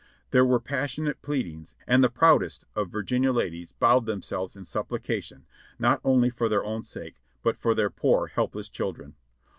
There were passionate pleadings, and the proudest of Virginia ladies bowed themselves in supplication, not only for their own sake, but for their poor, helpless children.